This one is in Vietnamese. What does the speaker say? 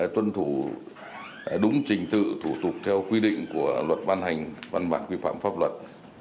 tuân thủ đúng trình tự thủ tục theo quy định của luật ban hành văn bản quy phạm pháp luật